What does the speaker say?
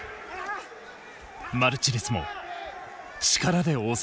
マルチネスも力で応戦。